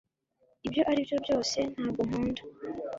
ibyo ari byo byose, ntabwo nkunda